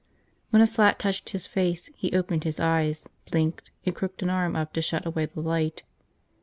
When a slat touched his face he opened his eyes, blinked, and crooked an arm up to shut away the light.